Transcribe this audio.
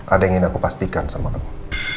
ada yang ingin aku pastikan sama aku